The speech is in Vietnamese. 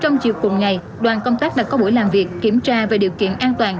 trong chiều cùng ngày đoàn công tác đã có buổi làm việc kiểm tra về điều kiện an toàn